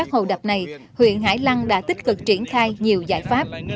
hồ đập này huyện hải lăng đã tích cực triển khai nhiều giải pháp